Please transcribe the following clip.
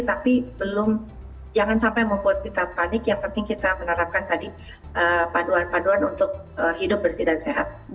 tapi belum jangan sampai membuat kita panik yang penting kita menerapkan tadi panduan paduan untuk hidup bersih dan sehat